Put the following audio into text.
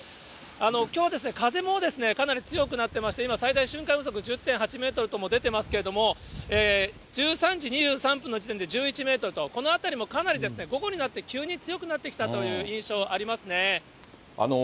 きょう、風もかなり強くなってまして、今、最大瞬間風速１０．８メートルとも出てますけれども、１３時２３分の時点で１１メートルと、このあたりもかなり午後になって、急に強くなってきたという印象、ありますね。